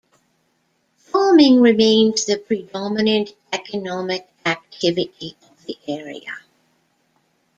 Farming remains the predominant economic activity of the area.